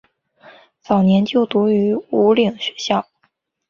早年就读于武岭学校。